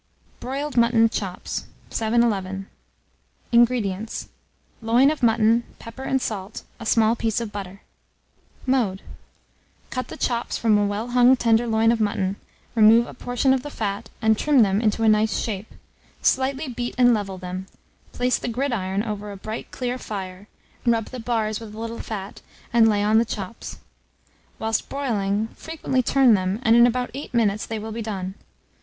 BROILED MUTTON CHOPS. 711. INGREDIENTS. Loin of mutton, pepper and salt, a small piece of butter. Mode. Cut the chops from a well hung tender loin of mutton, remove a portion of the fat, and trim them into a nice shape; slightly beat and level them; place the gridiron over a bright clear fire, rub the bars with a little fat, and lay on the chops. Whilst broiling, frequently turn them, and in about 8 minutes they will be done.